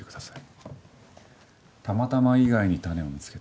はい。